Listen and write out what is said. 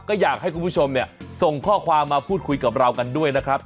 ก็อยากให้คุณผู้ชมเนี่ยส่งข้อความมาพูดคุยกับเรากันด้วยนะครับ